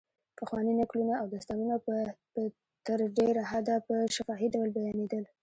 پخواني نکلونه او داستانونه په تر ډېره حده په شفاهي ډول بیانېدل.